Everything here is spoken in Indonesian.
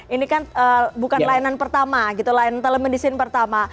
ini kan bukan layanan pertama gitu layanan telemedicine pertama